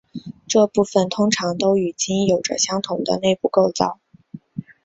这部分通常都与茎有着相同的内部构造。